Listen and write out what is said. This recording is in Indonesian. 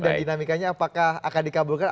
dan dinamikanya apakah akan dikabulkan